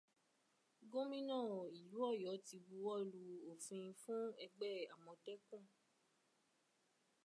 Gómìnà ìlú Ọ̀yọ́ ti buwọ́lu òfin fún ẹgbẹ́ Àmọtẹ́kun.